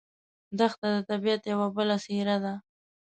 دښته د طبیعت یوه بله څېره ده.